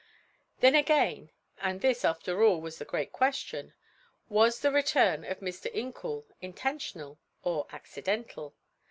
Then again, and this, after all, was the great question: was the return of Mr. Incoul intentional or accidental?